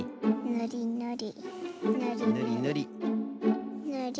ぬりぬり。